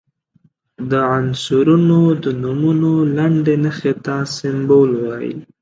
د عنصرونو د نومونو لنډي نښې ته سمبول وايي.